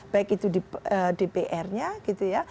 baik itu di dpr nya gitu ya